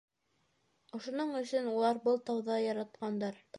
Ошоноң өсөн улар был тауҙы яратҡандар